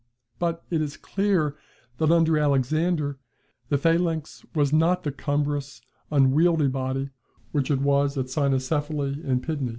But it is clear that, under Alexander, the phalanx was not the cumbrous unwieldy body which it was at Cynoscephalae and Pydna.